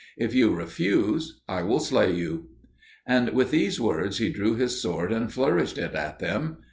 If you refuse, I will slay you." And with these words he drew his sword and flourished it at them.